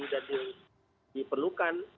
dan yang diperlukan